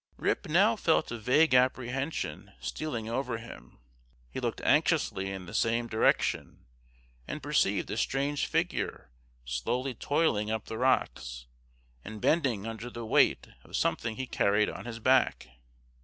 Rip now felt a vague apprehension stealing over him; he looked anxiously in the same direction, and perceived a strange figure slowly toiling up the rocks, and bending under the weight of something he carried on his back.